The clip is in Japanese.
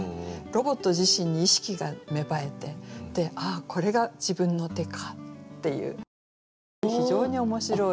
ロボット自身に意識が芽生えて「ああこれが自分の手か」っていうそういう非常に面白い。